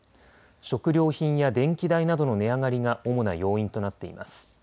食料品や電気代などの値上がりが主な要因となっています。